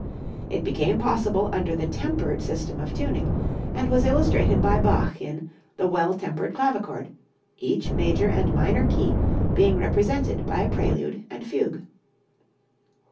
It became possible under the tempered system of tuning, and was illustrated by Bach in "The Well Tempered Clavichord," each major and minor key being represented by a prelude and fugue.